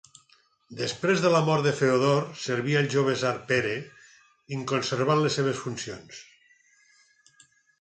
Després de la mort de Feodor serví al jove tsar Pere in conservant les seves funcions.